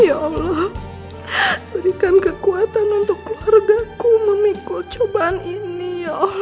ya allah berikan kekuatan untuk keluarga ku memikul cobaan ini ya allah